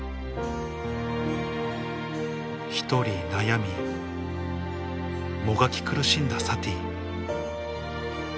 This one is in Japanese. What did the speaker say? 一人悩みもがき苦しんだサティ